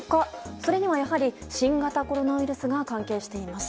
それにはやはり新型コロナウイルスが関係しています。